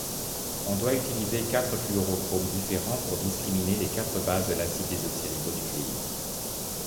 On doit utiliser quatre fluorochromes différents pour discriminer les quatre bases de l'acide désoxyribonucléique.